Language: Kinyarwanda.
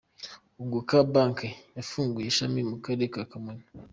"Unguka Bank" yafunguye ishami mu karere ka Kamonyi.